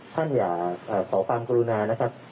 ท่านอย่าขอความกรุณานะครับ